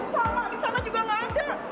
sama di sana juga nggak ada